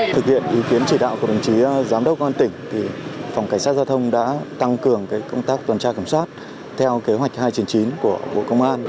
thực hiện ý kiến chỉ đạo của đồng chí giám đốc công an tỉnh phòng cảnh sát giao thông đã tăng cường công tác tuần tra kiểm soát theo kế hoạch hai trăm chín mươi chín của bộ công an